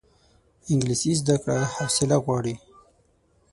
انګلیسي زده کړه حوصله غواړي